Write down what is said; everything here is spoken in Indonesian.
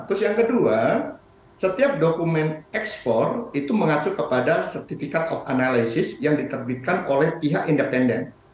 terus yang kedua setiap dokumen ekspor itu mengacu kepada certifikat of analysis yang diterbitkan oleh pihak independen